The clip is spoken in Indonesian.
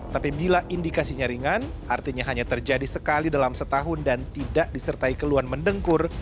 tapi bila indikasinya ringan artinya hanya terjadi sekali dalam setahun dan tidak disertai keluhan mendengkur